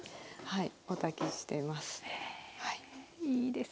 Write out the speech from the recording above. はい。